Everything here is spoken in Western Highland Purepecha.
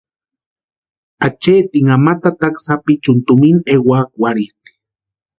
Acheetinha ma tataka sapichuni tumina ewakwarhitʼi.